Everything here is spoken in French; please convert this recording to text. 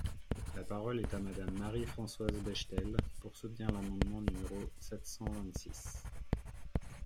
La parole est à Madame Marie-Françoise Bechtel, pour soutenir l’amendement numéro sept cent vingt-six.